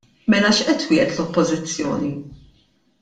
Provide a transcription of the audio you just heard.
Mela x'qed twiegħed l-Oppożizzjoni?